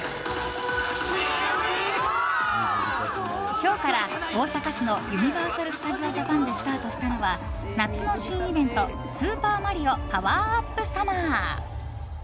今日から、大阪市のユニバーサル・スタジオ・ジャパンでスタートしたのは夏の新イベントスーパーマリオ・パワーアップ・サマー。